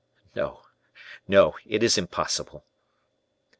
"No, no; it is impossible."